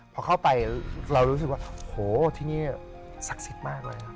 พอเข้าไปเรารู้สึกว่าโหที่นี่ศักดิ์สิทธิ์มากเลย